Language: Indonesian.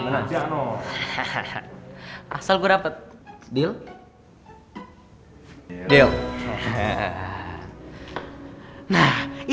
nasi rames doang